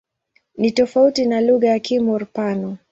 Ni tofauti na lugha ya Kimur-Pano.